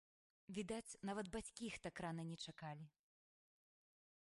Відаць, нават бацькі іх так рана не чакалі!